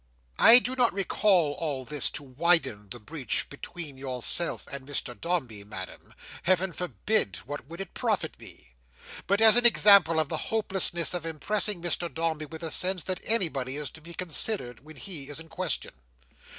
"I do not recall all this to widen the breach between yourself and Mr Dombey, Madam—Heaven forbid! what would it profit me?—but as an example of the hopelessness of impressing Mr Dombey with a sense that anybody is to be considered when he is in question.